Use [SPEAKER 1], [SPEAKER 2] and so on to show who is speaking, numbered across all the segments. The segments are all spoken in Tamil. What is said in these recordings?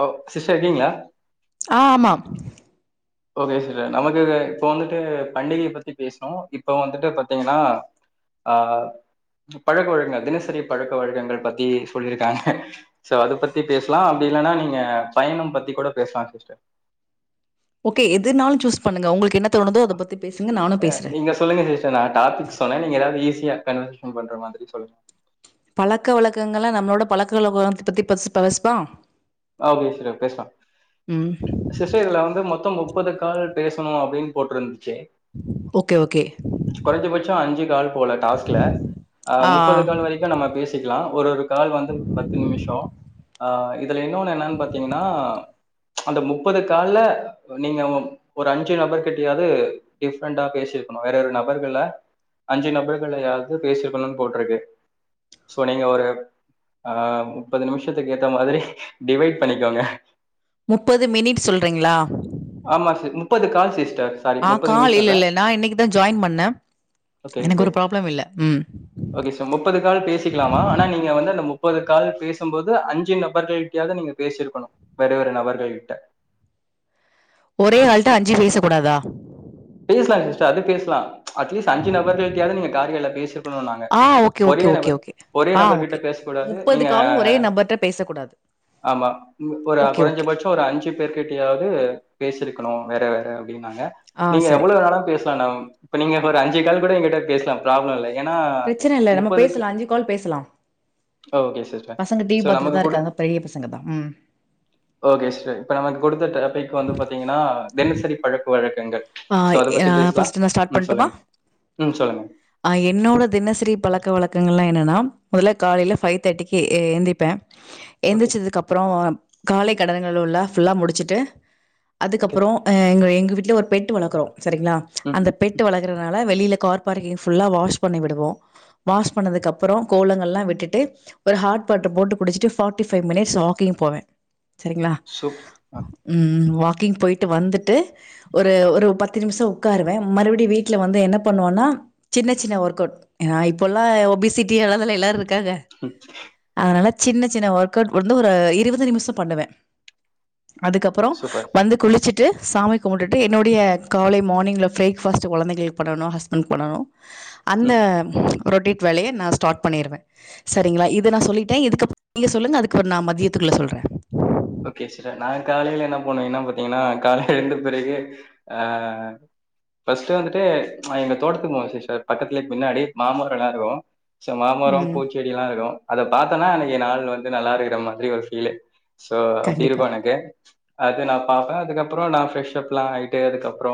[SPEAKER 1] ஓ சிஸ்டர் இருக்கீங்ளா
[SPEAKER 2] ஆ ஆமா
[SPEAKER 1] ஓகே சிஸ்டர் நமக்கு இப்போ வந்துட்டு பண்டிகையை பத்தி பேசிணோ இப்போ வந்துட்டு பாத்தீங்கன்னா ஆ பழக்க வழக்க தினசரி பழக்க வழக்கங்கள் பத்தி சொல்லிருக்காங்க சோ அத பத்தி பேசலா அப்படி இல்லனா நீங்க பயணம் பத்தி கூட பேசலா சிஸ்டர்
[SPEAKER 2] ஓகே எதுனாலு சூஸ் பண்ணுங்க உங்களுக்கு என்ன தோணுதோ அத பத்தி பேசுங்க. நானும் பேசுறேன்.
[SPEAKER 1] நீங்க சொல்லுங்க சிஸ்டர் நா டாபிக் சொன்ன நீங்க எதாவது ஈஸி யா கன்வர்சேஷன் பண்ற மாரி சொல்லுங்க
[SPEAKER 2] பழக்க வழக்கங்கள்ல்லா நம்மளோட பழக்குகள பத்தி பத்தி ஃபர்ஸ்ட் பேசுறோ
[SPEAKER 1] ஓகே சரி அப்ப பேசலா சிஸ்டர் இதுல வந்து மொத்தோ மு ப்பதுகால் பேசணு அப்டின்னு போட்டிருந் ச்சு
[SPEAKER 2] ஓகே, ஓகே.
[SPEAKER 1] குறைந்சபட்சோ அஞ்சு கால் போல டாஸ்க்ல அ
[SPEAKER 2] ஆ
[SPEAKER 1] முப்பது கால் வரைக்கு நம்ம பேசி க்லா ஒரு கால் வந்து பத்து நிமிஷோ ஆ இன்னொன்னு என்னனு பாத்தீங்கன்னா ப்ச் அந்த முப்பது கால்ல நீங்க ஒரு அஞ்சு நபர் கிட்டயாவது டிஃப்ரெண்ட்டா பேசிருக்கணு வேற ஒரு நபர்கள்ல அஞ்சு நபர்களயாவது பேசிருக்கணுனு போட்டிருக்கு சோ நீங்க ஒரு ஆ முப்பது நிமிஷத்துக்கு ஏத்த மாதிரி டிவைட் பண்ணிக்கோங்க
[SPEAKER 2] முப்பது மினிட் சொல்றீங்ளா
[SPEAKER 1] முப்பதுக்கால் சிஸ் டர் சாரி முப்பது நிமிஷோல்ல
[SPEAKER 2] நான் இன்னைக்கு தான் ஜாயின் பண்ணேன்.
[SPEAKER 1] ஓகே
[SPEAKER 2] எனக்கு
[SPEAKER 1] ஓகே
[SPEAKER 2] ஒரு ப்ராப்ளம் இல்ல. ம்.
[SPEAKER 1] ஓகே சோ முப்பது கால் பேசிக்கலாமா ஆனா நீங்க வந்து அந்த முப் முப்பது கால் பேசும்போது அஞ்சு நபர்கள் கிட்டயாவது நீங்க பேசிருக்கணு வேற வேற நபர்கள் கிட்ட
[SPEAKER 2] ஒரே ஆள்ட்ட அஞ்சு பேச கூடாதா
[SPEAKER 1] பேசலா சிஸ்டர் அது பேசலா ப்ச் அட்லீஸ்ட் அஞ்சு நபர்கள்கிட்டயாவது நீங்க காரியால பேசி இருக்கணு நாங்க
[SPEAKER 2] ஆ ஓகே,
[SPEAKER 1] ஒரே
[SPEAKER 2] ஓகே, ஓகே,
[SPEAKER 1] நபர்
[SPEAKER 2] ஓகே.
[SPEAKER 1] ஒரே
[SPEAKER 2] ஆ
[SPEAKER 1] நபர் கிட்ட
[SPEAKER 2] ஓகே.
[SPEAKER 1] பேசக்கூடாது நீங்க
[SPEAKER 2] காலும் ஒரே நபர்ட்ட பேசக்கூடாது.
[SPEAKER 1] ஆமா ஒரு
[SPEAKER 2] ஓகே, ஓகே.
[SPEAKER 1] குறைஞ்சபட்சோ ஒரு அஞ்சு பேர் கிட்டயாவது பேசிருக்கணு வேற வேற அப்டினாங்க
[SPEAKER 2] ஆ
[SPEAKER 1] நீங்க
[SPEAKER 2] சரி.
[SPEAKER 1] எவ்ளோ வேணா பேசலா மேடம் இப்ப நீங்க ஒரு அஞ்சு கால் கூட என் கிட்ட பேசலாம் ப்ராப்ளம் இல்ல
[SPEAKER 2] பிரச்சன இல்ல நம்ம பேசலாம் அஞ்சு கால் பேசலாம்
[SPEAKER 1] ஓகே சிஸ்டர்
[SPEAKER 2] பசங்க டிவி
[SPEAKER 1] ஸோ நமக்கு
[SPEAKER 2] பாத்துட்டுதான்
[SPEAKER 1] கொடு
[SPEAKER 2] இருக்காங்க பெரிய பசங்க தான் ம்
[SPEAKER 1] ஓகே சிஸ்டர் இப்போ நமக்கு கொடுத்த டாபிக் வந்து பாத்தீங்கன்னா தினசரி பழக்கு வழக்கு
[SPEAKER 2] ஆ ஃபர்ஸ்ட் நான் ஸ்டார்ட்
[SPEAKER 1] ம்
[SPEAKER 2] பண்ணட்டுமா
[SPEAKER 1] சொல்லுங்க ம் சொல்லுங்க
[SPEAKER 2] என்னோட தினசரி பழக்க வழக்கங்கள்லாம் என்னன்னா முதல காலையில பைவ் தேர்ட்டிக்கு எந்திப்பே
[SPEAKER 1] ஓகே
[SPEAKER 2] எழுந்திரிச்சதுக்கு அப்புறம் காளைக்கு கடனுங்களுள்ள ஃபுல்லாக முடிச்சுட்டு
[SPEAKER 1] ஓகே
[SPEAKER 2] அதுக்கப்புறம் அ எங்க எங்க விட்ல ஒர்ப் பெட்டு வளர்க்கறோம் சரிங்களா
[SPEAKER 1] ம்
[SPEAKER 2] அந்த பெட்டு வளர்க்கற வெளியில கார் பார்க்கிங் ஃபுல்லா வாஷ் பண்ணி விடுவோம் வாஷ் பண்ணதுக்கு அப்புறம் கோலங்கல்லாம் விட்டுட்டு ஒரு ஹாட் வாட்டர் போட்டு குடிச்சிட்டு ஒரு ஃபார்டி ஃபைவ் மினிட்ஸ் வாக்கிங் போவே சரிங்களா
[SPEAKER 1] சூப் ஆ
[SPEAKER 2] ம் வாக் வாக்கிங் போய்ட்டு வந்துட்டு ஒரு ஒரு பத்து நிமிஷம் உட்காருவேன் மறுபடியும் வீட்ல வந்து என்ன பண்ணுவன்னா சின்ன சின்ன ஒர்க் அவுட் அ இப்போ எல்லாம் ஒபிசிட்டி எல்லாலா எல்லாரும் காக
[SPEAKER 1] ம்
[SPEAKER 2] அதனால சின்ன சின்ன ஒர்க் வொர்க் அவுட் வந்து ஒரு இருபது நிமிஷம் பண்ணுவே அதுக்கப்புறம்
[SPEAKER 1] சூப்பர்
[SPEAKER 2] வந்து குளிச்சுட் ட்டு சாமி கும்புட்டுட் விட்டு என்னுடைய காலை மார்னிங்கில ப்ரேக்ஃபாஸ்ட்டு குழந்தைகளுக்கு பண்ணணு ஹஸ்பண்ட்க்கு பண்ணணு அந்த
[SPEAKER 1] ம்
[SPEAKER 2] ரொட்டிட் வேலைய நா ஸ்டார்ட் பண்ணிருவே சரிங்களா இது நா சொல்லிட்டே இதுக்கப் நீங்க சொல்லுங்க அதுக்கப்புறோ நா மத்தியத்துக்குள்ள சொல்றே
[SPEAKER 1] ஓகே சீர நாளைக்கு காலையில என்ன பண்ணுவீங்கன்னா பாத்தீங்கன்னா காலையில எழுந்த பிறகு அ ஃபர்ஸ்ட்டு வந்துட்டு அ எங்க தோட்டத்துக்கு போவோம் சிஸ்டர் பக்கத்துலே பின்னாடி மாமரோல்லா இருக்கூ ச மாமரம்
[SPEAKER 2] ம்.
[SPEAKER 1] பூச்செடில்லா இருக்கும் அத பாத்தனா அன்னக்கி நாள் வ இது நல்லா இருக்குற மாதுரி ஒரு ஃபீலு சோ அப்டி
[SPEAKER 2] கண்டிப்பா.
[SPEAKER 1] இருக்கு எனக்கு அது நா பாப்பே அதுக்கப்புறோ நா ஃப்ரெஷ் அப் லா ஆயிட்டு அதுக்கப்புறோ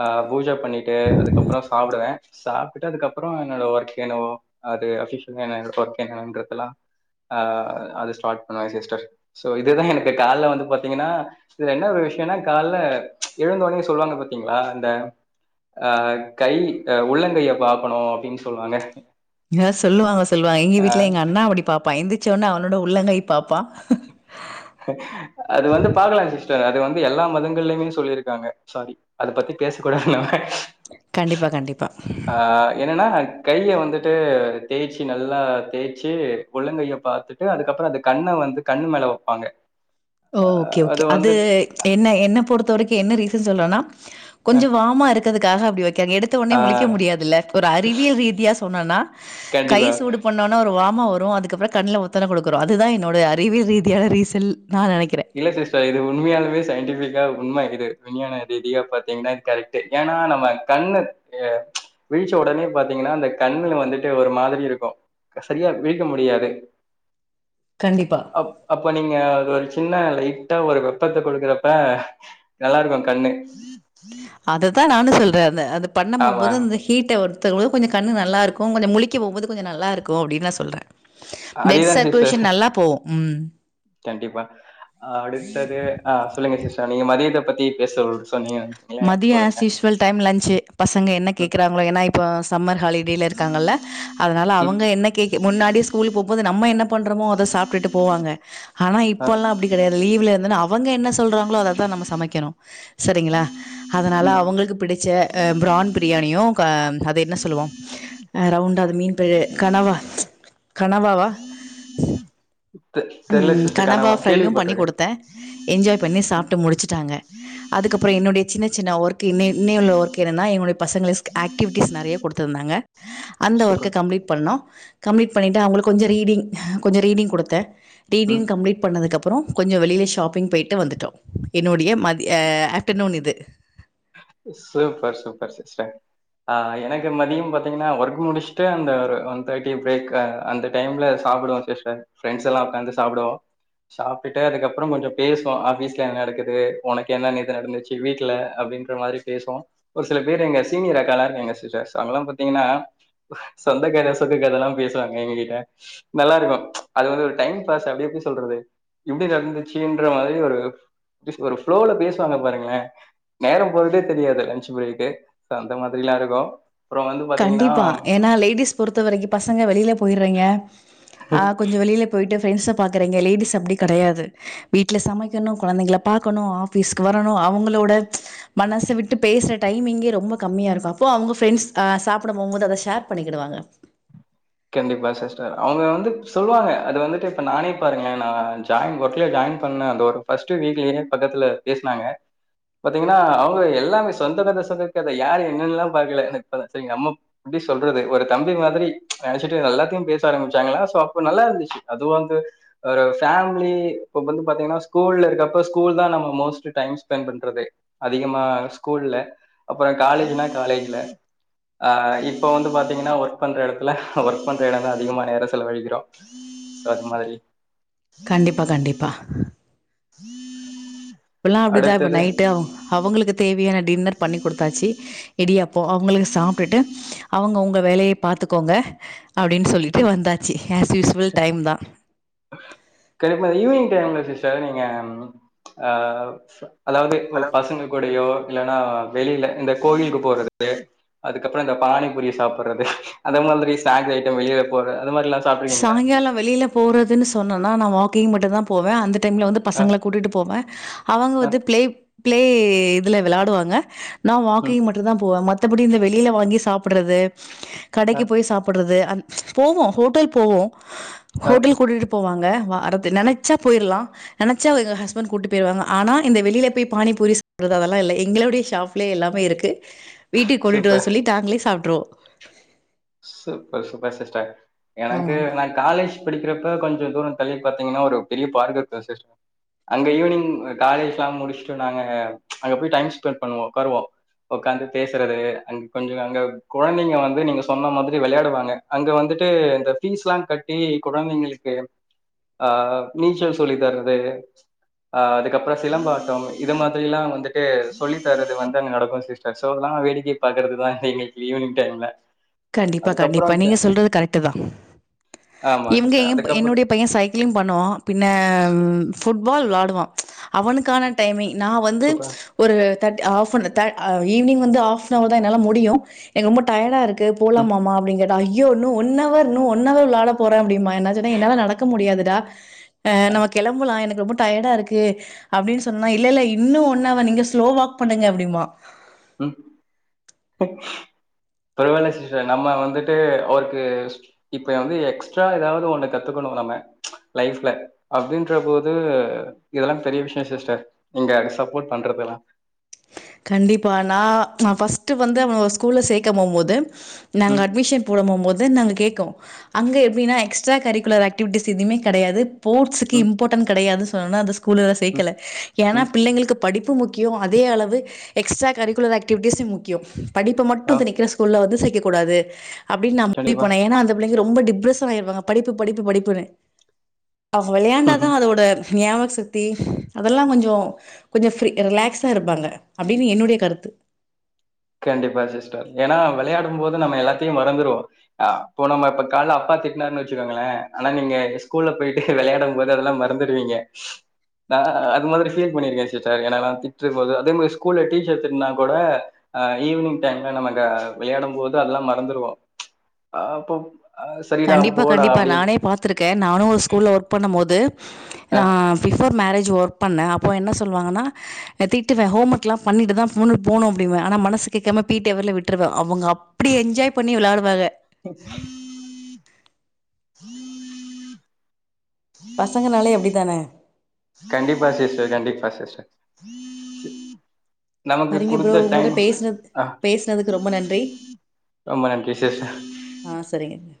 [SPEAKER 1] அ பூஜை பண்ணிட்டு அதுக்கப்புறோ சாப்புடுவே சாப்டுட்டு அதுக்கப்புறோ என்னோட வர்க் என்னவோ அது அபிஷியலா என்னோட வர்க் என்னறதெல்லா அ அது ஸ்டார்ட் பண்ணுவே சிஸ்டர் சோ இதுதா எனக்கு கால்ல வந்து பாத்தீங்கன்னா இதுல என்ன ஒரு விஷயோன்னா கால்ல எழுந்த ஒன்னே சொல்லுவாங்க பாத்தீங்களா அந்த அ கை அ உள்ளங்கைய பாக்கணு அப்டின் சொல்வாங்க
[SPEAKER 2] ஏ சொல்லுவாங்க சொல்லுவாங்க எங்க வீட்ல எங்க அண்ணா அப்புடி பாப்பா எந்தி சொன்னா அவன்னோட உள்ளங்கை பாப்பா
[SPEAKER 1] அது வந்து பாக்கலா சிஸ்டர் அது வந்து எல்லா மதங்கள்லயுமே சொல்லிருக்காங்க சாரி அத பத்தி பேச கூடாதுனாங்க
[SPEAKER 2] கண்டிப்பா கண்டிப்பா
[SPEAKER 1] அ என்னன்னா கைய வந்துட்டு தேய்ச்சி நல்லா தேச்சு உள்ளங்கைய பாத்துட்டு அதுக்கப்புறோ அந்த கண்ண வந்து கண்ணு மேல வப்பாங்க
[SPEAKER 2] ஓ ஓகே ஓகே அது என்ன என்ன பொறுத்த வரைக் என்ன ரீசன் சொல்னோன்னா கொஞ்சோ வார்ம்மா இருக்கதுக்காக அப்டி வைக்காங்க எடுத்த ஒன்னே முழிக்க
[SPEAKER 1] ஆஹ்,
[SPEAKER 2] முடியாதுல்ல ஒரு அறிவியல் ரீதியா சொன்னன்னா கை
[SPEAKER 1] கண்டிப்பா
[SPEAKER 2] சூடு பண்ணோனா ஒரு வா மா வரூ அதுக்கப்புற கண்ணுல ஒத்தன குடுக்குறோ அதுதா என்னோட அறிவியல் ரீதியான ரீசல்
[SPEAKER 1] இல்ல சிஸ்டர் இது உண்மையாலுமே சயின்டிபிக் யா உண்ம இது விஞ்ஞான ரீதியா பாத்தீங்கன்னா இது கரெக்ட்டு ஏன்னா நம்ம கண்ணு ஏ விழிச்ச ஒடனே பாத்தீங்கன்னா அந்த கண்ணுல வந்துட்டு ஒரு மாதிரி இருக்கும் க சரியா விழிக்க முடியாது
[SPEAKER 2] கண்டிப்பா.
[SPEAKER 1] அப் அப்போ நீங்க அது வந் சின்ன லைட்டா ஒரு வெப்பத்த குடுக்குறப்ப நல்லாருக்கு கண்ணு
[SPEAKER 2] அதை நானும் சொல்றே அந்த பண்ண
[SPEAKER 1] ஆமா.
[SPEAKER 2] போம்போது அந்த ஹீட்டை ஒருத்தரு வந்து கொஞ்சம் கண்ணு நல்லாருக்கோம் கொஞ்சம் முழிக்க போம்போது கொஞ்சம் நல்லாருக்கோம் அப்படின்னு நான் சொல்றே
[SPEAKER 1] அதேதான் சிஸ்டர்
[SPEAKER 2] ம்
[SPEAKER 1] கண்டிப்பா அடுத்தது ஆ சொல்லுங்க சிஸ்டர் நீங்க மதியத்தை பத்தி பேசல் [unintelligible]
[SPEAKER 2] மதியம் ஆஸ்யூஷுவல் டைம் லன்சு பசங்க என்ன
[SPEAKER 1] ம்,
[SPEAKER 2] கேக்குறாங்களோ ஏன்னா இப்ப சம்மர் ஹாலி இருக்காங்கல்ல அதனால
[SPEAKER 1] ம்.
[SPEAKER 2] அவங்க என்ன கேட்க முன்னாடி ஸ்கூல் போம் போது நம்ம பண்றமோ அதை சாப்ட்டுட்டு போவாங்க ஆனா
[SPEAKER 1] அ,
[SPEAKER 2] இப்பெல்லாம் அப்படி கிடையாது லீவ்ல இருந்து அவங்க என்ன சொல்றாங்களோ அத தா நம்ம சமைக்கணும் சரிங்களா அதனால
[SPEAKER 1] ம்.
[SPEAKER 2] அவங்களுக்கு பிடிச்ச பிரான் பிரியாணியும் அத என்ன சொல்லுவோ அ ரவுண்ட அது மீன் கனவா கனவாவா
[SPEAKER 1] தெ தெர்ல
[SPEAKER 2] ம்
[SPEAKER 1] சிஸ்டர். ஆனா
[SPEAKER 2] கனவா ஃப்ரையு பண்ணி
[SPEAKER 1] கேள்விப்பட்டுருக்கேன்.
[SPEAKER 2] கொடுத்த என்ஜாய் பண்ணி
[SPEAKER 1] ம்.
[SPEAKER 2] சாப்ட்டு முடிச்சுட்டாங்க அதுக்கப்புறோ என்னுடைய ச்சு நா ஒர்க் இ இன்னையுள்ள ஒர்க் என்னா எங்கடளுடைய பசங்கஸ்கல்சுக்கு ஆக்டிவிட்டிஸ் நெறைய குடுத்திருந்தாங்க அந்த ஒர்க்க
[SPEAKER 1] சூப்பர்.
[SPEAKER 2] கம்ப்ளீட் பண்னோ கம்ப்ளீட் பண்ணிட்டு அவங்களுக்கு கொஞ்சோ ரீடிங் கொஞ்சோ ரீடிங் குடுத்த
[SPEAKER 1] ம்.
[SPEAKER 2] ரீடிங் கம்ளீட் பண்ணதுக்கு அப் அப்புறோ கொஞ்சோ வெளில ஷாப்பிங் போயிட்டு வந்துட்டோ என்னுடைய மதிய அ ஆஃப்டர்நூன் இது
[SPEAKER 1] சூப்பர் சூப்பர் சிஸ்டர் அ எனக்கு மதியம் பாத்தீங்கன்னா ஒர்க் முடிச்சுட்டு அந்த ஒரு ஒன் தேர்ட்டி பிரேக் அந்த டைம்ல சாப்பிடுவோ சிஸ்டர் ஃபிரெண்ட்ஸ் எல்லா உட்கார்ந்து சாப்பிடுவோ சாப்பிட்டுட்டு அதுக்கப்புறோ கொஞ்சோ பேசுவோ ஆபீஸ்ல என்ன நடக்குது உனக்கு என்ன நேத்து நடந்துச்சு வீட்ல அப்டின் அது மாரி பேசுவோ ஒரு சில பேர் எங்க சீனியர் அக்காலா இருக்காங்க சிஸ்டர் அவங்கள்ளா பாத்திங்கன்னா சொந்த கத சோக கதல்லா பேசுவாங்க எங்ககிட்ட நல்லா இருக்கு ம் அது வந்து ஒரு டைம் பாஸ் அப்டி எப்டி சொல்றது இது நடந்துச்சுன்ற மாரி ஒரு ஃப்லோல பேசுவாங்க பாருங்களே நேரம் போறதே தெரியாது லஞ்சு ப்ரேக் அந்த மாரில்லா இருக்கு அப்புறோ வந்து பாத்தீங்கன்னா
[SPEAKER 2] கண்டிப்பா ஏன்னா லேடிஸ் பொறுத்த வரைக்கு பசங்க வெளில போயிடுறீங்க அ கொஞ்சோ வெளில போயிட்டு ஃப்ரெண்ட்ஸ பார்குறீங்க லேடிஸ் அப்டி கெடையாது வீட்ல சமைக்கணு கெழந்தைகள பாக்கணு ஆஃபீஸ்க்கு வரனு அவங்களோட மனசு விட்டு பேசுற டைமிங்கே ரொம்ப கம்மியா இருக்கு அப்போ அவங்க ஃப்ரெண்ட்ஸ் அ சாப்பிட போகும்போது அத ஷேர் பண்ணிக்கிடுவாங்க
[SPEAKER 1] கண்டிப்பா சிஸ்டர் அவங்க வந்து சொல்லுவாங்க அது வந்துட்டு இப்ப நானே பாருங்க நா ஜாயின் ஒர்க்ல ஜாயின் பண்ண அந்த ஒரு ஃபர்ஸ்ட் வீக்லியே பக்கத்துல பேசினாங்க பாத்தீங்கன்னா அவங்க எல்லாமே சொந்த கத சோக கத யாரு என்னன்ல்லாம் பாக்கல செரி நம்ம எப்டி சொல்றது ஒரு தம்பி மாதிரி நெனசுட்டு எல்லாத்தையு பேச ஆரம்பிச்சாங்களா சோ அப்ப நல்லா இருந்துச்சு அதுவு வந்து ஒரு ஃபேமிலி இப்ப வந்து பாத்தீங்கன்னா ஸ்கூல்ல இருக்கிறப்ப ஸ்கூல் தா நம்ம மோஸ்ட் டைம் ஸ்பெண்ட் பண்றது அதிகமா ஸ்கூல்ல அப்புறோ காலேஜ்னா காலேஜ்ல அ இப்ப வந்து பாத்தீங்கன்னா ஒர்க் பண்ற எடத் ஒர்க் பண்ற எடம் தா அதிகமான நேரம் செலவழிக்கிறோ சோ அது மாதிரி
[SPEAKER 2] கண்டிப்பா கண்டிப்பா
[SPEAKER 1] உம் [inaudible]
[SPEAKER 2] இப்பெல்லா அப்பிடிதா இப்ப நைட்டு அவங்களுக்கு தேவையான டின்னர் பண்ணி குடுத்தாச்சு இடியாப்ப போ அவங்களுக்கு சாப்பிட்டுட்டு அவங்க அவங்க வேலைய பாத்துக்கோங்க அப்டின்னு சொல்லிட்டு வந்தாச்சு ஆஸ் யூசுவல் டைம் தான்.
[SPEAKER 1] [unintelligible] ஈவினிங் டைம்ல சார் நீங்க அ அதாவ்து பசங்க கூடையோ இல்லனா வெளில இந்த கோவிலுக்கு போறது அதுக்கப்புறோ இந்த பானி பூரி சாப்ட்றது அந்தமாரி ஸக் ஐடம் வெளில போற அதுமாரிலா சாப்ட்டு இருக்கிங்களா
[SPEAKER 2] சாய்காலம் வெளில போறதுனு சொல் சொன்னனா நா வாக்கிங் மட்டு தா போவ அந்த டைம்ல வந்து
[SPEAKER 1] ஆ
[SPEAKER 2] பசங்கள கூட்டிட்டு போவ அவங்க
[SPEAKER 1] ஆ
[SPEAKER 2] வந்து பிளே பிளே இதுல வெளடுவாங்க நா
[SPEAKER 1] ம்
[SPEAKER 2] வாக்கிங் மட்டு தா போவ மத்த மத்தபடி இந்த வெளில வாங்கி சாப்ட்டுறது
[SPEAKER 1] ஆ
[SPEAKER 2] கடைக்கு போய் சாப்ட்றது அந்த போவோ ஹோட்டல் போவோ
[SPEAKER 1] ஆ
[SPEAKER 2] ஹோட்டல் கூட்டிட்டு போவாங் க வாரத்தி நெனச்சா போய்ற்லா நெனச்சா எங்க ஹஸ்பண்ட் கூட்டுப் போய்ருவாங்க ஆனா இந்த வெளில போய் பானிபூரி சாப்புர்றது அதல்லா இல்ல எங்களோடயே ஷாப்லே எல்லாமே இருக்கு வீட்டுக் கொண்டுட்டு வர
[SPEAKER 1] சூப்பர்
[SPEAKER 2] சொல்லி தாங்ளே சாப் ட்ருவோ
[SPEAKER 1] சூப்பர் சூப்பர் சிஸ்டர் எனக்கு
[SPEAKER 2] ஆமாமா.
[SPEAKER 1] நா காலேஜ் படிக்கிற ப்ப கொஞ்சொ தூரொ தள்ளி பாத்தீங்னா ஒரு பெரிய பார்க்கு இருக்கு [inaudible] அங்க ஈவ்னிங் அ காலேஜ்லா முடிஷ்ட்டு நாங்க அங்க போய் டைம் ஸ்பென் பண்ணுவோ உக்காருவோ உக்காந்து பேசறது அங் கொஞ்சொ அங்க குழந்தைங்க வந்து நீங்க சொன்ன மாதிரி வெளயாடுவாங்க அங்க வந்துட்டு இந்த ஃபீஸ்லா கட்டி குழந்தைங்களுக்கு ஆ நீச்சல் சொல்லி தர்றது ஆ அதுக்கப்றொ சிலம்பாட்டம் இத மாதிரில்லா வந்துட்டு சொல்லி தர்றது வந்து அங்க நடக்கு சிஸ்டர் சோல்லா வேடிக்கை பாக்குறதுதா எங்களுக் ஈவ்னிங் டைம்ல
[SPEAKER 2] கண்டிப்பா கண்டிப்பா
[SPEAKER 1] அதுக்கப்புறம்
[SPEAKER 2] நீங்க
[SPEAKER 1] க-
[SPEAKER 2] சொல்றது கரெக்ட்டுதா
[SPEAKER 1] ஆமா
[SPEAKER 2] இவ்ங்க
[SPEAKER 1] சிஸ்டர்
[SPEAKER 2] ஏம்ப்
[SPEAKER 1] அதுக்கப்புறம்
[SPEAKER 2] என்னுடைய பைய சைக்கிளிங் பண்ணுவா பின்ன ஃபுட்பால் வ்ளாடுவா அவனுக்கான டைமிங் நா வந்து
[SPEAKER 1] சூப்பர்
[SPEAKER 2] ஒரு தேட் ஆஃபன் தே ஆ ஈவ்னிங் வந்து ஆஃப்னவர்தா என்னால முடியு எனக் ரொம்ப டயடா இருக் கு போலாமாமா அப்டிங்ற ஐயோ இன்னு ஒன் அவர் இன்னு ஒன் அவர் வ்ளாட போற அப்டிம்பா என்ன சொன்ன என்னால நடக்க முடியாதுடா ஆ நம்ம கெளம்புலா எனக்கு ரொம்ப டயடா இருக்கு அப்டின் சொன்னா இல்ல இல்ல இன்னு ஒன்னவ நீங்க ஸ் லோ வாக் பண்ணுங்க அப்டிம்பா
[SPEAKER 1] ம் ப பரவால்ல சிஸ்டர் நம்ம வந்துட்டு அவருக்கு இப்ப வந்து எக்ஸ்ட்ரா ஏதாவ்து ஒன்னு கத்துக்குணு நம்ம லைஃப்ல அப்டின்ற போது இதெல்லா பெரிய விஷியொ சிஸ்டர் நீங்க அதுக்கு சப்போர்ட் பண்றதுலா
[SPEAKER 2] கண்டிப்பா நா நா ஃபஸ் ட்டு வந்து அவ ஸ்கூல்ல சேக்கம் போம்போது நாங்க
[SPEAKER 1] ம்
[SPEAKER 2] அட்மிஷன் போட மோபோத் து நாங்க கேக்கோ அங்க எப்டினா எக்ஸ்ட்ரா கரிக்குலர் ஆக்டிவிட்டிஸ் எதுமே கடையாது போட்ஸுக்கு
[SPEAKER 1] ம்
[SPEAKER 2] இம்பார்டன் கடையாது [unintelligible] கூல்ல
[SPEAKER 1] ம்
[SPEAKER 2] சேக்கல ஏன்னா
[SPEAKER 1] ம்
[SPEAKER 2] பிள்ளைங்களுக்கு படிப்பு முக்கியொ அதே அளவு எக்ஸ்ட்ரா கரிக்குலர் ஆக்டிவிட்டிஸ்யும் முக்கியொ படிப்ப
[SPEAKER 1] ஆ
[SPEAKER 2] மட்டு திணிக்கிற ஸ்கூல்ல வந்து சேக் க்க கூடாது அப்டின் நா முடிவு பண்ண
[SPEAKER 1] கண்டிப்பா
[SPEAKER 2] ஏனா அந்த ப்ளை ரொம்ப டிப்ரஷன் ஆயிருவாங்க படிப்பு படிப்பு படிப்புனு அவ் வெளையாண்டாதா அதோட ஞாபக சக்தி அதெல்லாங்கொஞ்ச கொஞ்ச ஃப்ரீ ரிலாக்ஸ்டா இருப்பாங்க அப்டின்னு என்னுடைய கருத்து
[SPEAKER 1] கண்டிப்பா சிஸ்டர் ஏனா வெளையாடும்போது நம்ம எல்லாத்தையு மறந்துருவோ அ இப்போ நம்ம இப்ப கால அப்பா திட்னாருனு வச்சுக்கோங்களே ஆனா நீங்க ஸ்கூல்ல போயிட்டு வெளையாடும் போது அதெல்லா மறந்துருவீங்க நா அது மாதிரி ஃபீல் பண்ணிருக்கே சிஸ்டர் எனைல்லா திட்ரு போது அதே மாரி ஸ்கூல்ல டீச்சர் திட்னா கோட அ ஈவினிங் டைம்ல நமக்கு விளையாடம் போது அதெல்லா மறந்துருவோ அ போ
[SPEAKER 2] கண்டிப்பா கண்டிப்பா நானே பாத்துருக்கே நானு ஒரு ஸ்கூல்ல ஒர்க் பண்ணும்போது
[SPEAKER 1] அ
[SPEAKER 2] நா பிஃபோர் மேரேஜ் ஒர்க் பண்ண அப்ப என்ன சொல்வாங்கனா திட்டுவே ஹோம்ஒர்க்லா பண்ணிட்டு தா போனு போனு அப்டிம்ப ஆனா மனசு கேக்காம பி டி அவர்ல விட்ருவ அவுங்க அப்டி என்ஜாய் பண்ணி விளாடுவாக பசங்கனாலே அப்டி தான
[SPEAKER 1] கண்டிப்பா சிஸ்டர் கண்டிப்பா சிஸ்டர் நமக்கு
[SPEAKER 2] சரிங்க ப்ரோ
[SPEAKER 1] குடுத்த
[SPEAKER 2] உங்ளோட
[SPEAKER 1] டைம்
[SPEAKER 2] பேசுனது
[SPEAKER 1] ஆ
[SPEAKER 2] பேசுனதுக்கு ரொம்ப நன்றி
[SPEAKER 1] ரொம்ப நன்றி சிஸ்டர்
[SPEAKER 2] ஆ சரிங்கங்க